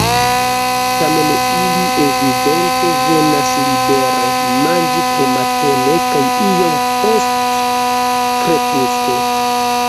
Tamen ili evidente venas libere manĝi frumatene kaj iom post krepusko.